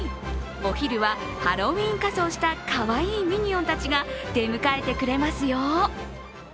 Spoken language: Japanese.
お昼はハロウィーン仮装したかわいいミニオンたちが出迎えてくれますよ。